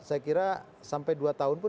saya kira sampai dua tahun pun